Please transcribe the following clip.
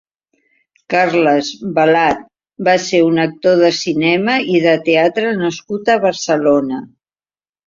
Carles Velat va ser un actor de cinema i de teatre nascut a Barcelona.